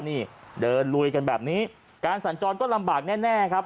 นี่เดินลุยกันแบบนี้การสัญจรก็ลำบากแน่ครับ